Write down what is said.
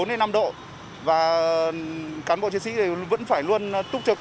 cảnh sát giao thông số bốn đến năm độ và cán bộ chiến sĩ vẫn phải luôn túc trực